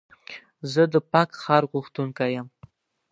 زه د پاک ښار غوښتونکی یم.